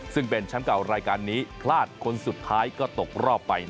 ซึ่งเป็นแชมป์เก่ารายการนี้พลาดคนสุดท้ายก็ตกรอบไป